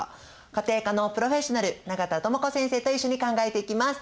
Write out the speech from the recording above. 家庭科のプロフェッショナル永田智子先生と一緒に考えていきます。